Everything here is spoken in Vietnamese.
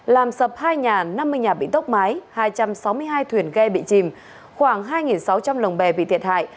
làm sập hai nhà năm mươi nhà bị tốc mái hai trăm sáu mươi hai thuyền ghe bị chìm khoảng hai sáu trăm linh lồng bè bị thiệt hại